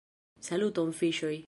Saluton fiŝoj